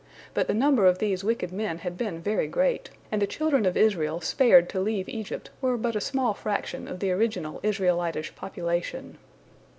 But the number of these wicked men had been very great, and the children of Israel spared to leave Egypt were but a small fraction of the original Israelitish population.